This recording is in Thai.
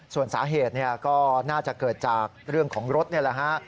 ส่วนสาเหตุก็น่าจะเกิดจากเรื่องของรถนี่แหละฮะ